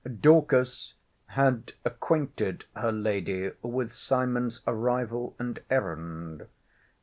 Dorcas had acquainted her lady with Simon's arrival and errand.